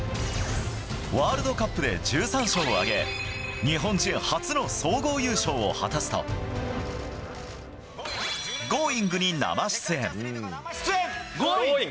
ワールドカップで１３勝を挙げ日本人初の総合優勝を果たすと「Ｇｏｉｎｇ！」に生出演。